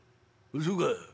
「そうかい。